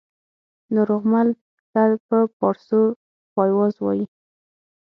ناروغمل ته په پاړسو پایواز وايي